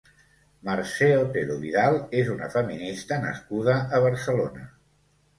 Mercè Otero Vidal és una feminista nascuda a Barcelona.